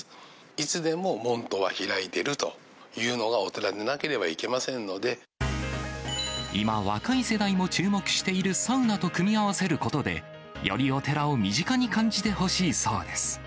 いつでも門戸は開いているというのがお寺でなければいけませんの今、若い世代も注目しているサウナと組み合わせることで、よりお寺を身近に感じてほしいそうです。